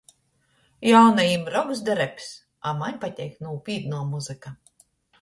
Jaunajim roks da reps, a maņ pateik nūpītnuo muzyka.